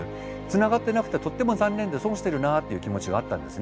つながってなくてとっても残念で損してるなっていう気持ちがあったんですね。